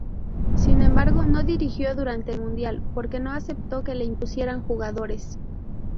Sin embargo no dirigió durante el Mundial, porque no aceptó que le impusieran jugadores.